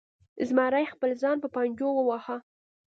زمري خپل ځان په پنجو وواهه.